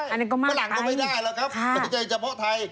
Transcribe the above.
ฝรั่งก็ไม่ได้หรอกครับไม่ใช่เฉพาะไทย